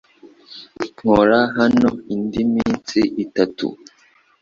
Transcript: Nkora hano indi minsi itatu